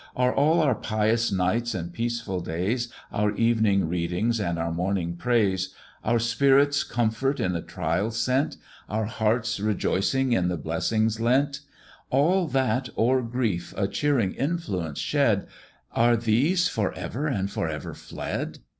Are all our pious nights and peaceful days, Our evening readings and our morning praise, Our spirits' comfort in the trials sent, Our hearts' rejoicings in the blessings lent, All that o'er grief a cheering influence shed, Are these for ever and for ever fled?